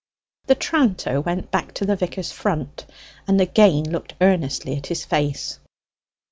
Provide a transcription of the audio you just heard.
The tranter went back to the vicar's front and again looked earnestly at his face.